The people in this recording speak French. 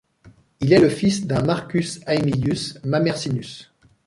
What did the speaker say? Il est le fils d'un Marcus Aemilius Mamercinus.